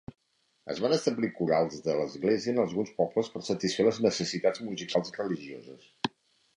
Es van establir corals de l'església en alguns pobles per satisfer les necessitats musicals religioses.